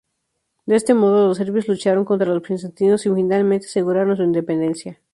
De este modo los serbios lucharon contra los bizantinos y finalmente aseguraron su independencia.